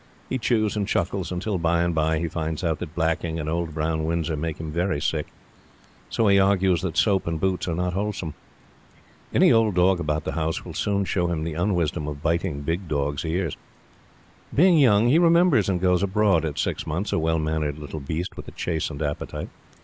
He chews and chuckles until, by and by, he finds out that blacking and Old Brown Windsor make him very sick; so he argues that soap and boots are not wholesome. Any old dog about the house will soon show him the unwisdom of biting big dogs' ears. Being young, he remembers and goes abroad, at six months, a well mannered little beast with a chastened appetite.